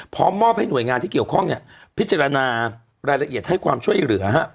พร้อมมอบให้หน่วยงานที่เกี่ยวข้องพิจารณารายละเอียดให้ความช่วยเหลือ